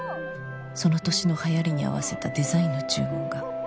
「その年のはやりに合わせたデザインの注文が」